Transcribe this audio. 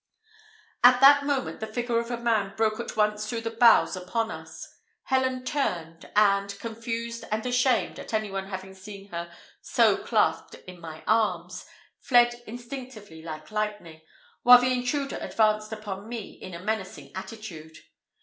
At that moment the figure of a man broke at once through the boughs upon us. Helen turned, and, confused and ashamed at any one having seen her so clasped in my arms, fled instinctively like lightning, while the intruder advanced upon me in a menacing attitude.